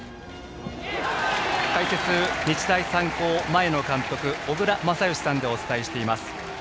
解説、日大三高の前の監督小倉全由さんでお伝えしています。